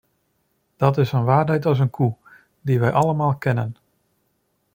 Dat is een waarheid als een koe, die wij allemaal kennen.